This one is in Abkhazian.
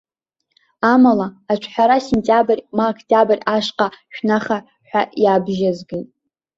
Амала, аҿҳәара сентиабр, ма октиабр ашҟа шәнаха ҳәа иабжьызгеит.